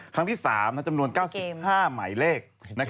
ครั้งที่๓จำนวน๙๕หมายเลข